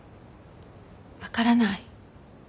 分からない。